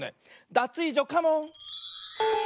ダツイージョカモン！